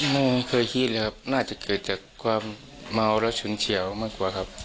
ไม่เคยคิดเลยครับน่าจะเกิดจากความเมาและฉุนเฉียวมากกว่าครับ